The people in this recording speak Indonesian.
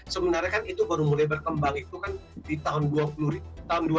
sebenarnya kan itu baru mulai berkembang itu kan di tahun dua ribu dua